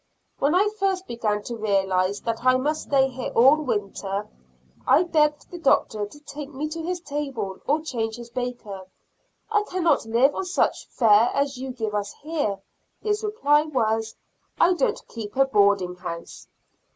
When I first began to realize that I must stay here all winter, I begged the Doctor to take me to his table, or change his baker; "I cannot live on such fare as you give us here." His reply was, "I don't keep a boarding house."